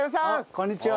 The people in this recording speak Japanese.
こんにちは。